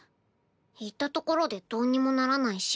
言ったところでどうにもならないし。